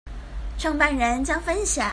創辦人將分享